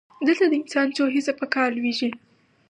دلته د انسان څو حسه په کار لویږي.